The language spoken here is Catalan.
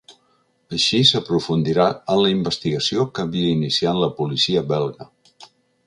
Així, s’aprofundirà en la investigació que havia iniciat la policia belga.